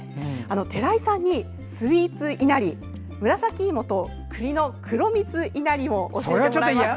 寺井さんにスイーツいなりを「紫いもとくりの黒蜜いなり」を教えてもらいました。